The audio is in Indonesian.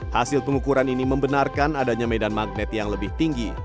hasil pengukuran ini membenarkan adanya medan magnet yang lebih tinggi